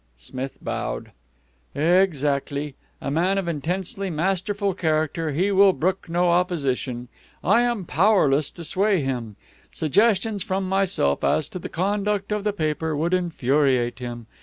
Smith bowed. "Exactly. A man of intensely masterful character, he will brook no opposition. I am powerless to sway him. Suggestions from myself as to the conduct of the paper would infuriate him.